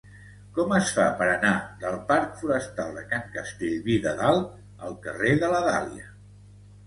Com es fa per anar del parc Forestal de Can Castellví de Dalt al carrer de la Dàlia?